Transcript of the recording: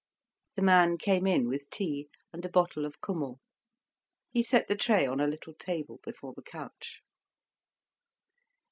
The man came in with tea and a bottle of Kümmel. He set the tray on a little table before the couch.